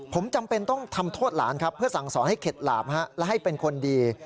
ผมจำเป็นต้องทำโทษหลานครับเพื่อสั่งสอนให้เข็ดหลาบและให้เป็นคนดี